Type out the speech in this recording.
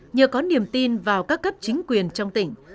nhờ có niềm tin vào các cấp chính quyền trong tỉnh